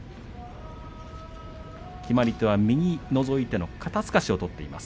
決まり手は右にのぞいてからの肩すかしを取っています。